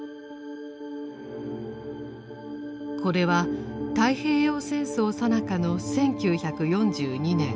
これは太平洋戦争さなかの１９４２年